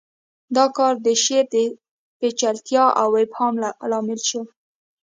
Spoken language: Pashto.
دا کار د شعر د پیچلتیا او ابهام لامل شو